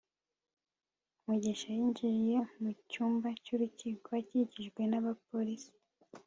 mugisha yinjiye mu cyumba cy'urukiko, akikijwe n'abapolisi